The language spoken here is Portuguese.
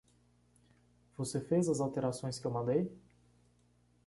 Você fez as alterações que eu mandei?